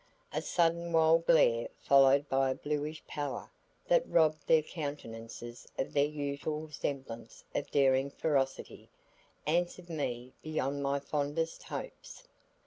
A sudden wild glare followed by a bluish palor that robbed their countenances of their usual semblance of daring ferocity, answered me beyond my fondest hopes.